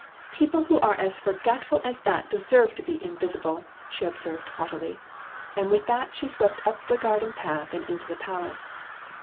" People who are as forgetful as that de serve to be invisible," she observed haughtily ; and with that she swept up the garden path and into the palace.